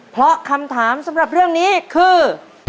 เพราะคำถามสำหรับเรื่องนี้คือ